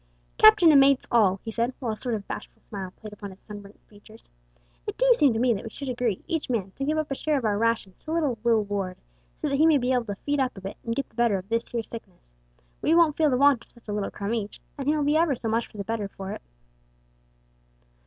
"Captain and mates all," he said, while a sort of bashful smile played upon his sunburnt features, "it do seem to me that we should agree, each man, to give up a share of our rations to little Will Ward, so that he may be able to feed up a bit an' git the better o' this here sickness. We won't feel the want of such a little crumb each, an' he'll be ever so much the better for it."